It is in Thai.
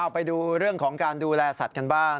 ไปดูเรื่องของการดูแลสัตว์กันบ้าง